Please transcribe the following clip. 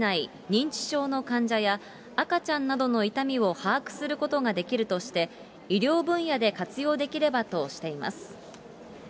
認知症の患者や、赤ちゃんなどの痛みを把握することができるとして、医療分野で活用できればとしています。